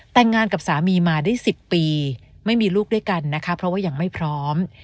แต่งงานกับสามีมาได้๑๐ปีไม่มีลูกด้วยกันนะคะเพราะว่ายังไม่พร้อม